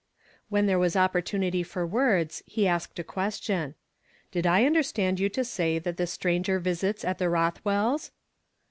I w "THEN there was opportunity for words, he asked a question. " Did I understand you to say that this stranger visits at the Rothwells'